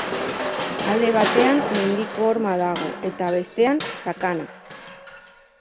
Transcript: Alde batean, mendiko horma dago, eta, bestean, sakana.